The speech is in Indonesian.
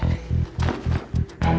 gak akan kecil